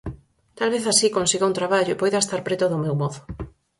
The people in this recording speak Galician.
"Talvez así consiga un traballo e poida estar preto do meu mozo".